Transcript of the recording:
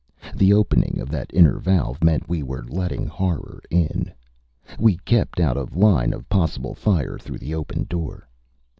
The opening of that inner valve meant we were letting horror in. We kept out of line of possible fire through the open door.